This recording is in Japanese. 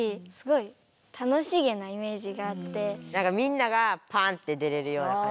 みんながパーンって出れるようなかんじ。